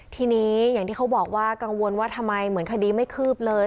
ทีนี้อย่างที่เขาบอกว่ากังวลว่าทำไมเหมือนคดีไม่คืบเลย